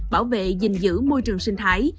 bảo vệ giành giữ môi trường sinh thái